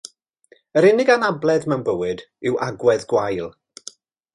Yr unig anabledd mewn bywyd yw agwedd wael